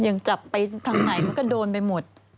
ยังจับไปทางไหนมันก็โดนไปหมด